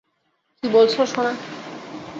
কী বলছো, সোনা?